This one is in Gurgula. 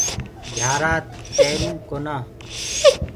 گھيآرآ تيروُ ڪونآ۔